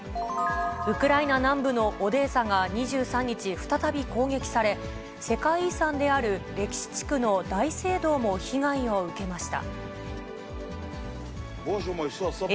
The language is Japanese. ウクライナ南部のオデーサが２３日、再び攻撃され、世界遺産である歴史地区の大聖堂も被害を受けました。